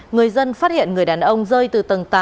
người dân phát hiện người đàn ông rơi từ tầng tám